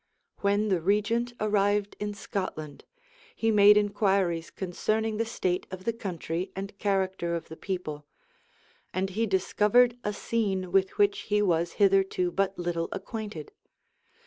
When the regent arrived in Scotland, he made inquiries concerning the state of the country, and character of the people; and he discovered a scene with which he was hitherto but little acquainted.